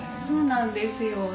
そうなんですよ。